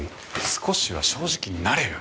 少しは正直になれよ！